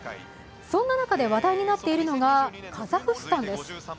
そんな中で話題になっているのがカザフスタンです。